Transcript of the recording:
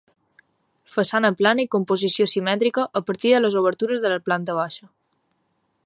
Façana plana i composició simètrica a partir de les obertures de la planta baixa.